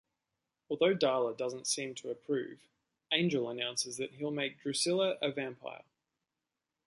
Although Darla doesn't seem to approve, Angel announces that he'll make Drusilla a vampire.